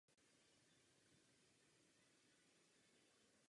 Nepřátelské stíhací letouny také ještě běžně neměly na palubě vyhledávací radar.